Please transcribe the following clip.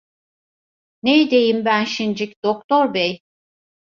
Ne ideyim ben şincik, doktor bey?